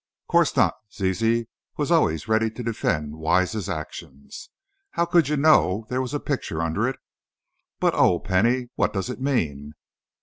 "'Course not!" Zizi was always ready to defend Wise's actions. "How could you know there was a picture under it? But, oh, Penny, what does it mean?"